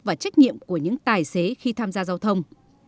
và trách nhiệm của những tài xế khi tham gia giao thông